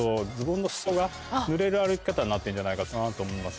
歩き方になってんじゃないかなと思います。